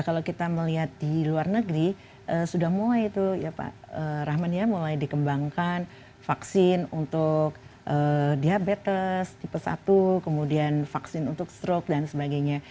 kalau kita melihat di luar negeri sudah mulai itu ya pak rahman ya mulai dikembangkan vaksin untuk diabetes tipe satu kemudian vaksin untuk stroke dan sebagainya